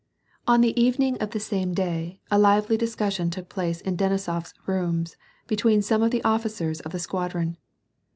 Ox the evening of the same day, a lively discussion took place in Denisof 's rooms between some of the officers of the squadron.